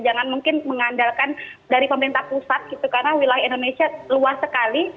jangan mungkin mengandalkan dari pemerintah pusat gitu karena wilayah indonesia luas sekali